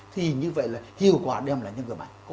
thì như vậy là hiệu quả đem lại cho người bệnh